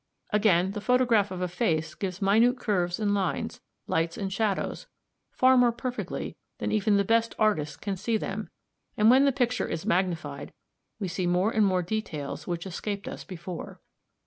Again, the photograph of a face gives minute curves and lines, lights and shadows, far more perfectly than even the best artist can see them, and when the picture is magnified we see more and more details which escaped us before.